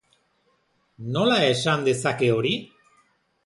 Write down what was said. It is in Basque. Nola esan dezake hori?